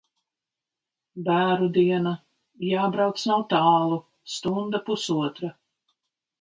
Bēru diena. Jābrauc nav tālu. Stunda, pusotra.